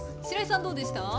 しらいさんどうでした？